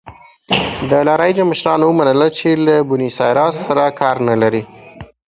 د لا رایجا مشرانو ومنله چې له بونیسایرس سره کار نه لري.